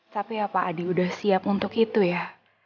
tapi ya pak adi udah siap untuk itu ya